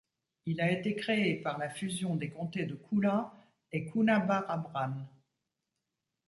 Il a été créé par la fusion des comtés de Coolah et Coonabarabran.